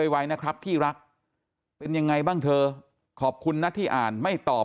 ไวนะครับที่รักเป็นยังไงบ้างเธอขอบคุณนะที่อ่านไม่ตอบ